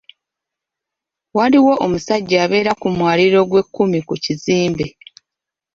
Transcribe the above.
Waliwo omusajja abeera ku mwaliiro ogwekkumi ku kizimbe.